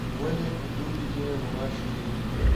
ولي په دوبي کي غوماشي ډیریږي؟